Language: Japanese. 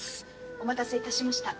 お待たせいたしました。